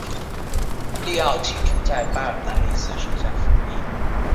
利奥起初在巴尔达尼斯手下服役。